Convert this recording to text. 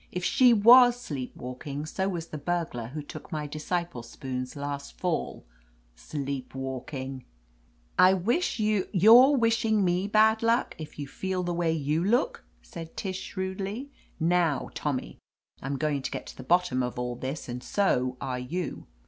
"If she was sleep walking, so was the burglar who took my disciple spoons last fall. Sleep walking !" "I wish you —'^ "You're wishing me bad luck if you feel the Way you look!" said Tish shrewdly. "Now, Tommy, I'm going to get to the bottom of all this, and so are you.